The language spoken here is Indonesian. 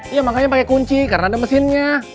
iya makanya pakai kunci karena ada mesinnya